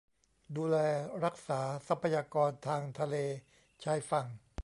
ดูแลรักษาทรัพยากรทางทะเล ชายฝั่ง